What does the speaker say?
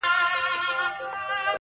• خو ما یوه شېبه خپل زړه تش کړ -